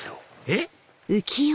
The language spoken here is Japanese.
えっ？